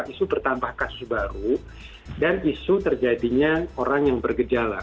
isu bertambah kasus baru dan isu terjadinya orang yang bergejala